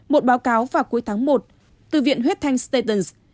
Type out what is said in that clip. một báo cáo vào cuối tháng một từ viện huyết thanh statons